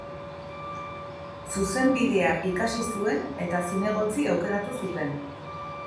Zuzenbidea ikasi zuen, eta zinegotzi aukeratu zuten.